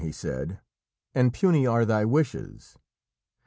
he said, "and puny are thy wishes!